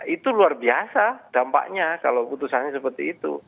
itu luar biasa dampaknya kalau putusannya seperti itu